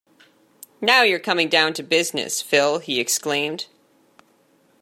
Now you're coming down to business, Phil, he exclaimed.